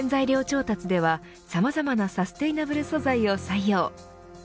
原材料調達ではさまざまなサステイナブル素材を採用。